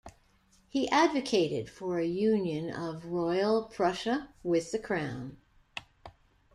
He advocated for a union of Royal Prussia with the Crown.